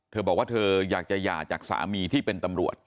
เธอบอกว่าเธออยากจะหย่าจากสามีที่เป็นตำรวจ